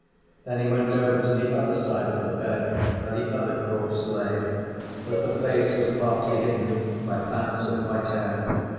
Then he went over to the other side of the bed, where the other corpse lay, but the face was partly hidden by bands of white hair.